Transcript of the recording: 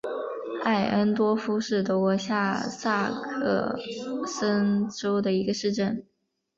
艾恩多夫是德国下萨克森州的一个市镇。